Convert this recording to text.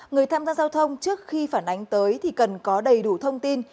người tham gia giao thông trước khi phản ánh tới thì cần có đầy đủ thông tin